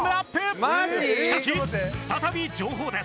しかし再び情報です。